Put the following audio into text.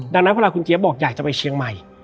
ดังนั้นเวลาคุณเจี๊ยบบอกอยากจะไปเชียงใหม่